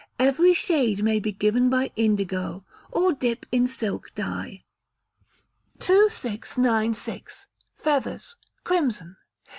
Every shade may be given by indigo or dip in silk dye. 2696. Feathers (Crimson).